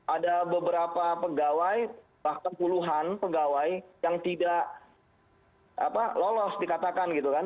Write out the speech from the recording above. ada beberapa pegawai bahkan puluhan pegawai yang tidak lolos dikatakan gitu kan